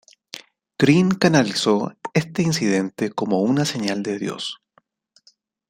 Green canalizó este incidente como una señal de Dios.